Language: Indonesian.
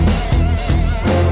masih lu nunggu